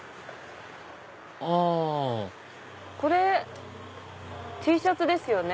あこれＴシャツですよね。